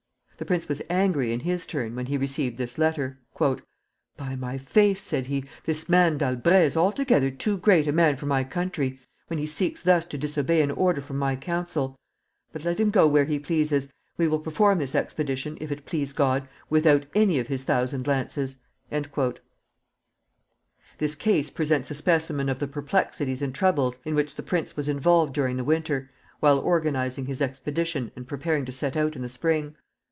The prince was angry in his turn when he received this letter. "By my faith," said he, "this man D'Albret is altogether too great a man for my country, when he seeks thus to disobey an order from my council. But let him go where he pleases. We will perform this expedition, if it please God, without any of his thousand lances." This case presents a specimen of the perplexities and troubles in which the prince was involved during the winter, while organizing his expedition and preparing to set out in the spring.